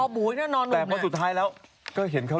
นะฮะโอ้โหคนนี้ปุ๊บที่เกตเล่นเหมือนกับ